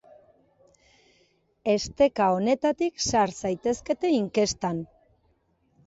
Esteka honetatik sar zaitezkete inkestan.